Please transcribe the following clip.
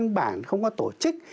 họ không có văn bản không có tổ chức